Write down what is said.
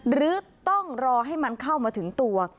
หรือต้องรอให้มันเข้ามาถึงตัว